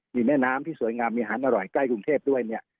มีแม่น้ำที่สวยงามมีอาหารอร่อยใกล้กรุงเทพด้วยเนี่ย